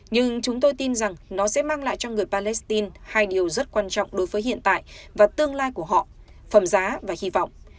nhưng chúng tôi tin rằng nó sẽ mang lại cho người palestine hai điều rất quan trọng đối với hiện tại và tương lai của họ phẩm giá và hy vọng